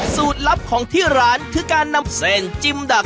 ลับของที่ร้านคือการนำเส้นจิมดัก